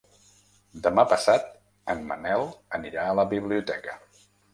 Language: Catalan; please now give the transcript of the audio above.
Demà passat en Manel anirà a la biblioteca.